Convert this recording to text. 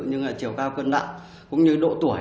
nhưng chiều cao cơn đặn cũng như độ tuổi